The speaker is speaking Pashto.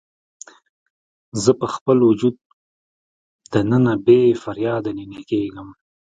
زه په خپل وجود دننه بې فریاده نینې کیږم